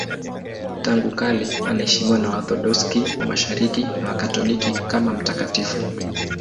Tangu kale anaheshimiwa na Waorthodoksi wa Mashariki na Wakatoliki kama mtakatifu.